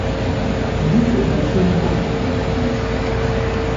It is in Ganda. Ndidde emicungwa kata ginzite.